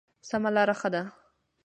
سمه لاره ښه ده.